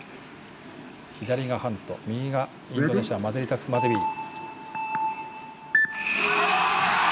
左がハント右がインドネシアマデリタクスマデウィ。